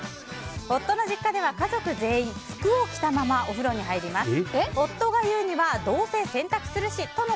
夫の実家では家族全員服を着たままお風呂に入ります。